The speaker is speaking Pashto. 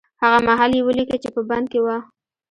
هغه مهال يې وليکه چې په بند کې و.